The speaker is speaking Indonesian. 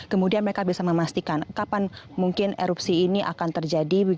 kemudian mereka bisa memastikan kapan mungkin erupsi ini akan terjadi